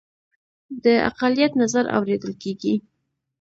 د اقلیت نظر اوریدل کیږي